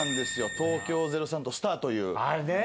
『東京０３とスタア』という。ねぇ！